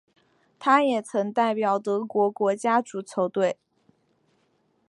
他也曾代表德国国家足球队。